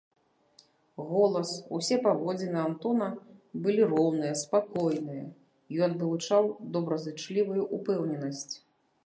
Голас, усе паводзіны Антона былі роўныя, спакойныя, ён вылучаў добразычлівую ўпэўненасць.